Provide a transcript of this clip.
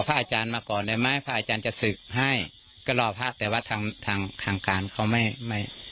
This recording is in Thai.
อาจารย์มาก่อนได้ไหมพระอาจารย์จะศึกให้ก็รอพระแต่ว่าทางทางการเขาไม่ไม่